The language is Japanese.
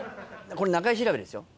これ中居調べですよ。